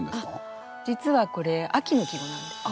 実はこれ秋の季語なんですね。